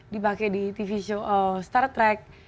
dipakai di tv show star trek